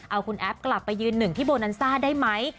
เอาคุณแอฟกลับไปยืนหนึ่งที่โบนันซ่าได้ไหม